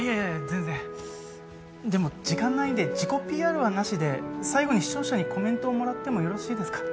全然でも時間ないんで自己ＰＲはなしで最後に視聴者にコメントをもらってもよろしいですか？